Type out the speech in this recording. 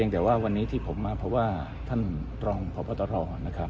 มองว่าเป็นการสกัดท่านหรือเปล่าครับเพราะว่าท่านก็อยู่ในตำแหน่งรองพอด้วยในช่วงนี้นะครับ